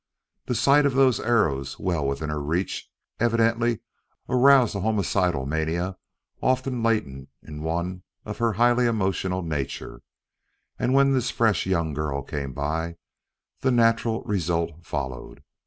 The sight of those arrows well within her reach evidently aroused the homicidal mania often latent in one of her highly emotional nature; and when this fresh young girl came by, the natural result followed.